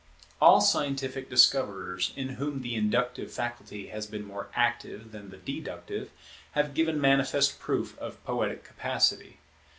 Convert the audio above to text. All scientific discoverers in whom the inductive faculty has been more active than the deductive, have given manifest proof of poetic capacity.